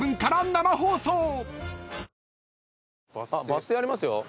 バス停ありますよ。